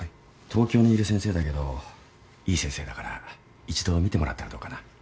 東京にいる先生だけどいい先生だから一度診てもらったらどうかな？